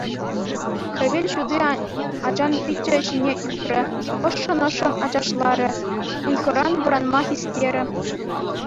Хӗвел ҫути ачан пичӗ ҫине ӳкрӗ, ӑшшӑн-ӑшшӑн ачашларӗ, ыйхӑран вӑранма хистерӗ.